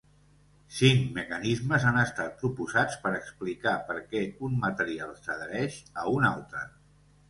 Cinc mecanismes han estat proposats per explicar perquè un material s'adhereix a un altre.